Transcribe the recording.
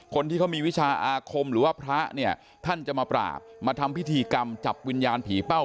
คนที่เขามีวิชาอาคมหรือว่าพระเนี่ยท่านจะมาปราบมาทำพิธีกรรมจับวิญญาณผีเป้า